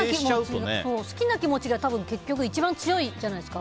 好きな気持ちが一番強いじゃないですか。